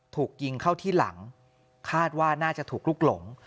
ถูกยิงเข้าที่หลังคาดว่าน่าจะถูกลุกหลง